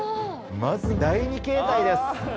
まず第２形態です！